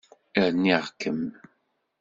Rniɣ-kem.